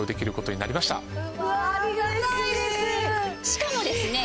しかもですね